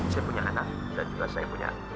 saya punya anak dan juga saya punya